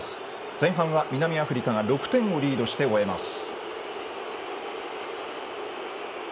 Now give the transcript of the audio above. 前半は南アフリカが６点をリードして終えます。